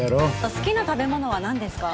好きな食べ物は何ですか？